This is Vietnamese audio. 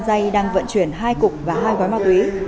dây đang vận chuyển hai cục và hai gói ma túy